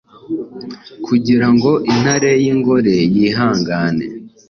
Kugirango Intare y'ingore yihangane,